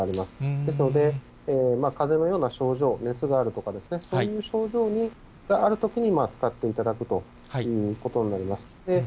ですので、かぜのような症状、熱があるとか、そういう症状があるときに使っていただくということになります。